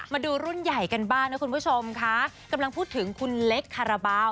มาดูรุ่นใหญ่กันบ้างนะคุณผู้ชมค่ะกำลังพูดถึงคุณเล็กคาราบาล